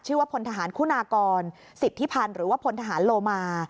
พลทหารคุณากรสิทธิพันธ์หรือว่าพลทหารโลมา